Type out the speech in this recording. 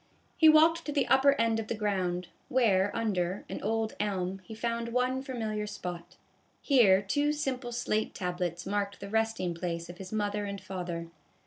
He walked to the upper end of the ground, where under, an old elm, he found one familiar spot. Here two simple slate tablets marked the resting place of his mother and father.